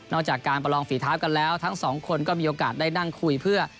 จากการประลองฝีเท้ากันแล้วทั้งสองคนก็มีโอกาสได้นั่งคุยเพื่อ